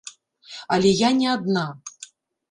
Але я не адна.